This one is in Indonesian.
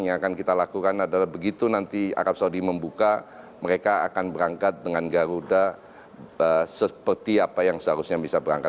yang akan kita lakukan adalah begitu nanti arab saudi membuka mereka akan berangkat dengan garuda seperti apa yang seharusnya bisa berangkat